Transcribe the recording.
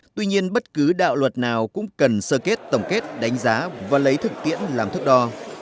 tuy nhiên bất cứ đạo luật nào cũng cần sơ kết tổng kết đánh giá và lấy thực tiễn làm thức đo